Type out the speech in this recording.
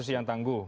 oposisi yang tangguh